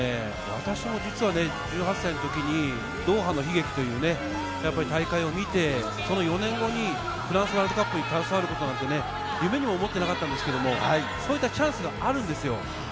私も１８歳の時にドーハの悲劇という大会を見て、その４年後にワールドカップに携わることは夢にも思っていなかったんですが、そういったチャンスがあるんですよ。